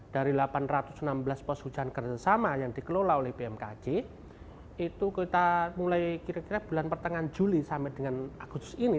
dari delapan ratus enam belas pos hujan kerjasama yang dikelola oleh bmkg itu kita mulai kira kira bulan pertengahan juli sampai dengan agustus ini